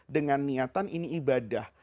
dengan niatan ini ibadah